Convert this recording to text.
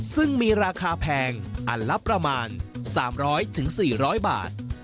ซึ่งมีราคาแพงอันละประมาณ๓๐๐๔๐๐บาท